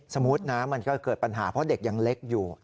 สมมุตินะมันก็เกิดปัญหาเพราะเด็กยังเล็กอยู่